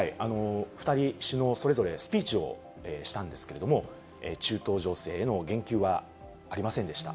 ２人、首脳、それぞれスピーチをしたんですけれども、中東情勢への言及はありませんでした。